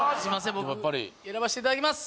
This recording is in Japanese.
僕選ばせていただきます